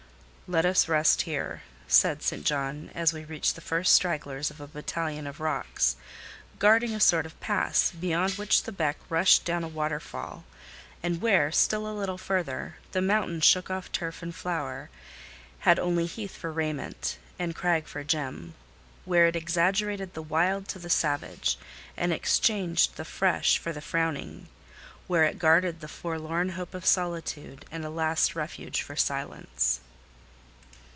"Let us rest here," said St. John, as we reached the first stragglers of a battalion of rocks, guarding a sort of pass, beyond which the beck rushed down a waterfall; and where, still a little farther, the mountain shook off turf and flower, had only heath for raiment and crag for gem—where it exaggerated the wild to the savage, and exchanged the fresh for the frowning—where it guarded the forlorn hope of solitude, and a last refuge for silence.